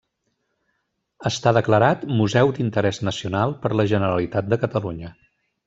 Està declarat museu d'interès nacional per la Generalitat de Catalunya.